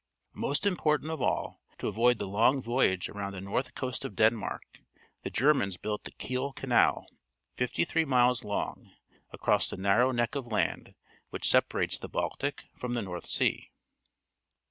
Most important of all, to avoid the long voyage around the north coast of Denmark, the Germans built the Kiel C anal. fifty th'To ir""'^ — I«»g, across the narrow neck of land wliich separates the Baltic from the North Sea.